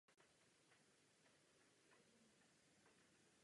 Studoval v rodném Brně konzervatoř a Janáčkovu akademii múzických umění.